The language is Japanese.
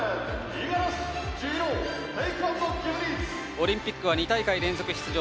オリンピックは２大会連続出場。